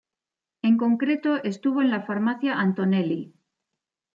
En concreto estuvo en la farmacia Antonelli.